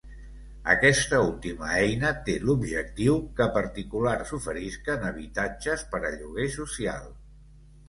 Aquesta última eina té l’objectiu que particulars oferisquen habitatges per a lloguer social.